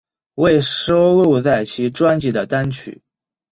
未收录在其专辑里的单曲